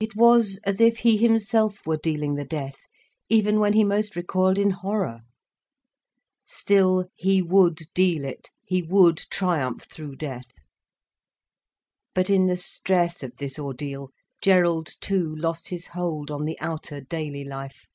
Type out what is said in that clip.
It was as if he himself were dealing the death, even when he most recoiled in horror. Still, he would deal it, he would triumph through death. But in the stress of this ordeal, Gerald too lost his hold on the outer, daily life.